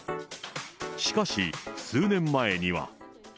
しかし、数年前には。